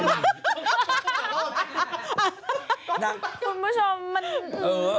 คุณผู้ชมมันอื้อ